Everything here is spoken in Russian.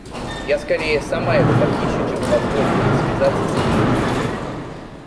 Я скорее сама его похищу, чем позволю ей связаться с этими людьми.